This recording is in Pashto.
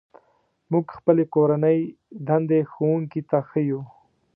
موږ خپلې کورنۍ دندې ښوونکي ته ښيو.